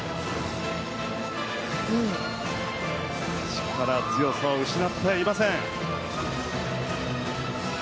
力強さを失ってはいません。